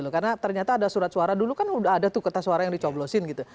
karena ternyata ada surat suara dulu kan udah ada tuh kertas suara yang dicoblosin gitu